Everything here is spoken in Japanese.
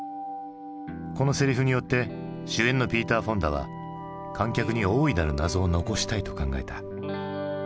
このセリフによって主演のピーター・フォンダは観客に大いなる謎を残したいと考えた。